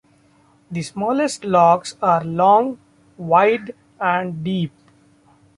The smallest locks are long, wide, and deep.